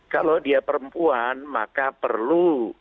kalau dia perempuan maka perlu